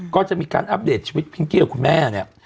ก็จะมีการอัปเดตชีวิตพิงกี้กับคุณแม่เนี่ย